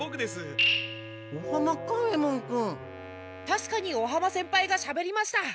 たしかに尾浜先輩がしゃべりました。